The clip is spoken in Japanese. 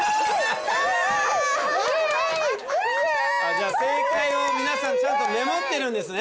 じゃあ正解を皆さんちゃんとメモってるんですね。